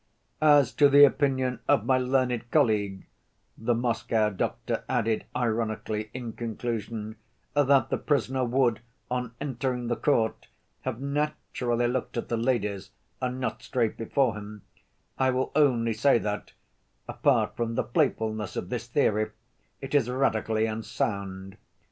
"As to the opinion of my learned colleague," the Moscow doctor added ironically in conclusion, "that the prisoner would, on entering the court, have naturally looked at the ladies and not straight before him, I will only say that, apart from the playfulness of this theory, it is radically unsound.